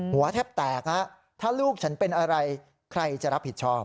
หัวแทบแตกถ้าลูกฉันเป็นอะไรใครจะรับผิดชอบ